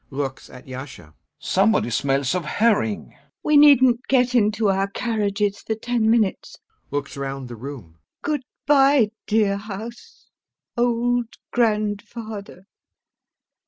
[Looks at YASHA] Somebody smells of herring! LUBOV. We needn't get into our carriages for ten minutes.... [Looks round the room] Good bye, dear house, old grandfather.